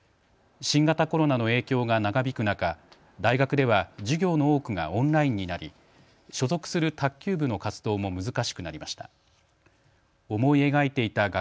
新型コロナの影響が長引く中、大学では授業の多くがオンラインになり所属する卓球部の活動も難しくなりました。